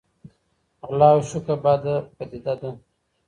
غلا او شوکه بده پدیده ده.